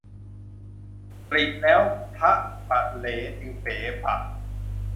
ตริแล้วพระมะเหลจึงเป๋ปะ